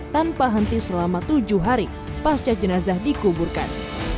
tanpa henti selama tujuh hari pasca jenazah dikuburkan